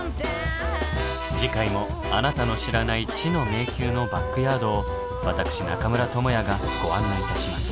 次回もあなたの知らない知の迷宮のバックヤードを私中村倫也がご案内いたします。